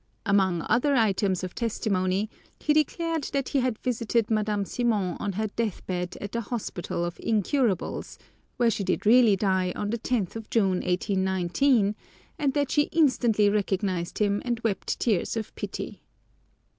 Among other items of testimony, he declared that he had visited Madame Simon on her death bed at the Hospital of Incurables, where she did really die on the 10th June, 1819, and that she instantly recognized him and wept tears of pity.